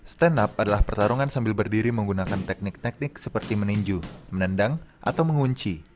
stand up adalah pertarungan sambil berdiri menggunakan teknik teknik seperti meninju menendang atau mengunci